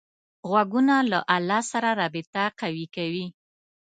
غوږونه له الله سره رابطه قوي کوي